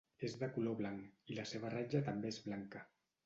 És de color blanc, i la seva ratlla també és blanca.